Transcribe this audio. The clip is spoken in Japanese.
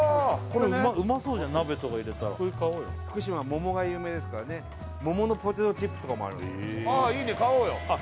これねうまそうじゃん鍋とか入れたらこれ買おうよ福島桃が有名ですからね桃のポテトチップとかもあるんですよああ